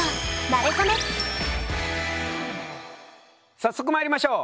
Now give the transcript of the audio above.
早速まいりましょう。